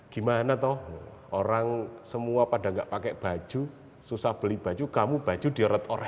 gimana toh orang semua pada enggak pakai baju susah beli baju kamu baju di retoran